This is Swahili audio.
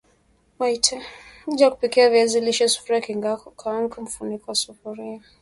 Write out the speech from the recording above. Mahitaji ya kupikia viazi lishe Sufuria kikaango mfuniko wa sufuria